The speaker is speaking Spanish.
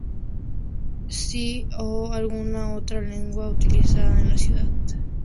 C o a alguna otra lengua utilizada en la ciudad.